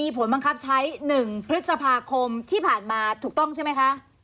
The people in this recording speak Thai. ผลบังคับใช้๑พฤษภาคมที่ผ่านมาถูกต้องใช่ไหมคะ